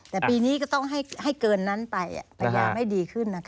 แต่ปีนี้ก็ต้องให้เกินนั้นไปประหย่าไม่ดีขึ้น